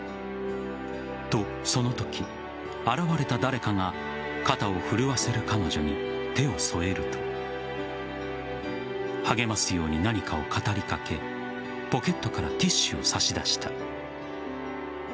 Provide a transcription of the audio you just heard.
と、その時現れた誰かが肩を震わせる彼女に手を添えると励ますように何かを語りかけポケットからティッシュを差し出した。